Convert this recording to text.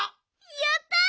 やった！